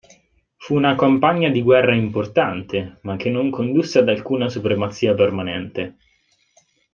Fu una campagna di guerra importante, ma che non condusse ad alcuna supremazia permanente.